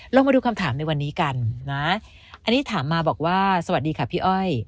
เรามาดูคำถามในวันนี้กันนะอันนี้ถามมาบอกว่าสวัสดีค่ะพี่อ้อย